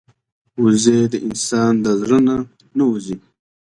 وزې د انسان د زړه نه نه وځي